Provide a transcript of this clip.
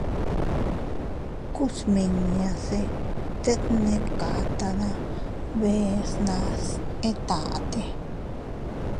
Ku smiñase tet ne kata na beʼe nas etate.